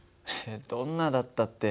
どんなだったって。